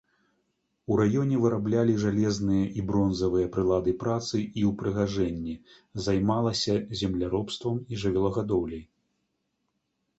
У раёне выраблялі жалезныя і бронзавыя прылады працы і ўпрыгажэнні, займалася земляробствам і жывёлагадоўляй.